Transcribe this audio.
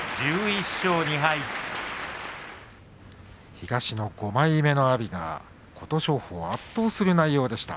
東の５枚目の阿炎が琴勝峰を圧倒する内容でした。